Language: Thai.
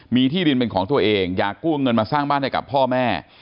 มีที่ดินเป็นของตัวเองอยากกู้เงินมาสร้างบ้านให้กับพ่อแม่